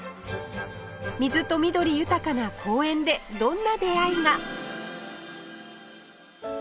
水と緑豊かな公園でどんな出会いが？